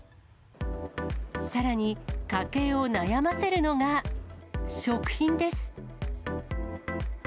さらに、家計を悩ませるのが、食品です。